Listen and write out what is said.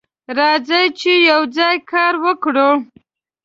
راځه چې یوځای کار وکړو.